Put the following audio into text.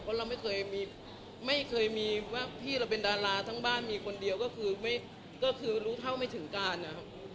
เพราะเราไม่เคยมีว่าพี่เราเป็นดาราทั้งบ้านมีคนเดียวก็คือรู้เท่าไม่ถึงการนะครับ